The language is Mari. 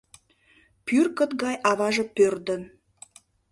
Пӱркыт гай аваже пӧрдын